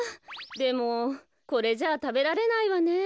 でもこれじゃあたべられないわね。